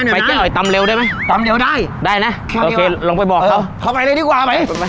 ไปเจ๊อ๋อยตำเร็วได้ไหมได้นะโอเคลงไปบอกเขาเขาไปเลยดีกว่า